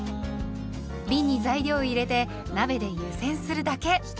びんに材料を入れて鍋で湯煎するだけ。